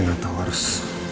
saya gak tau harus